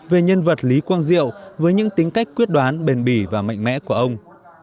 về nhân vật lý quang diệu với những tính cách quyết đoán bền bỉ và mạnh mẽ của ông